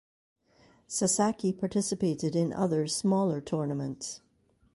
Sasaki participated in other smaller tournaments.